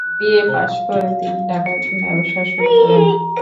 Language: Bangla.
বিএ পাশ করে তিনি ঢাকায় ব্যবসা শুরু করেন।